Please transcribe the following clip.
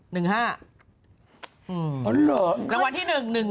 ราวราวราวราวที่๑๑๘๒๕๖๔